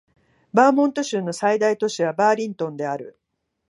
バーモント州の最大都市はバーリントンである